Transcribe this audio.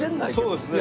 そうですね